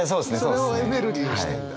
それをエネルギーにしてんだ？